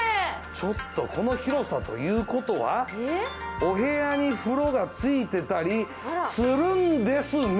ちょっとこの広さということはお部屋に風呂がついてたりするんですね！